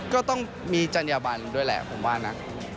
ก็ต้องมีจัญญบันด้วยแหละผมว่านะ